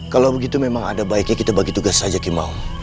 kalau begitu memang ada baiknya kita bagi tugas saja kimau